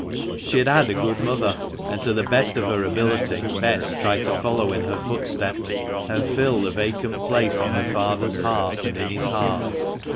She had had a good mother, and, to the best of her ability, Bess tried to follow in her footsteps, and fill the vacant place on her father's hearth, and in his heart.